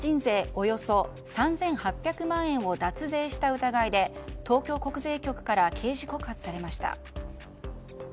およそ３８００万円を脱税した疑いで東京国税局から刑事告発されました。